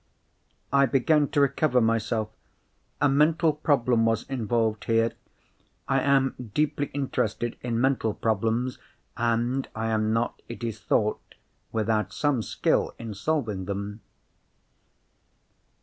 _" I began to recover myself. A mental problem was involved here. I am deeply interested in mental problems—and I am not, it is thought, without some skill in solving them.